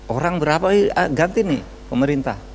orang berapa ganti nih pemerintah